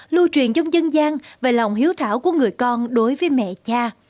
lưu truyền trong dân gian về lòng hiếu thảo của người con đối với mẹ cha